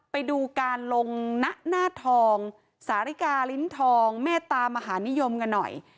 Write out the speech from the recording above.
ไปดูการลงณหน้าทองสาริกาลิ้นทองเมตตามหานิยมกันหน่อย